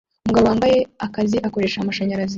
Umugabo wambaye akazi akoresha amashanyarazi